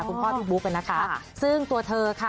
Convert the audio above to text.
คุณพ่อพี่บุ๊กนะคะซึ่งตัวเธอค่ะ